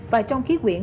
và trong khí quyển